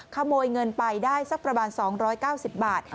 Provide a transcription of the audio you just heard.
ขโมยเงินไปได้สักประมาณ๒๙๐บาท